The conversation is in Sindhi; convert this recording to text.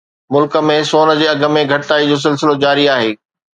ملڪ ۾ سون جي اگهه ۾ گهٽتائي جو سلسلو جاري آهي